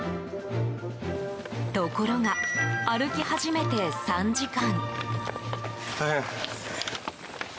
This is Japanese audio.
ところが、歩き始めて３時間。